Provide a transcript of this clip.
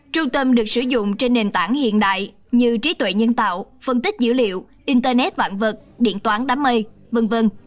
trung tâm được sử dụng trên nền tảng hiện đại như trí tuệ nhân tạo phân tích dữ liệu internet vạn vật điện toán đám mây v v